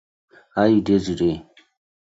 How you dey today?